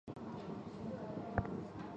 魏东河出身花莲地方派系魏家。